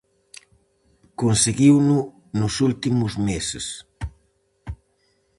Conseguiuno nos últimos meses.